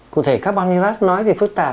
cụ thể carbon hydrate nói thì phức tạp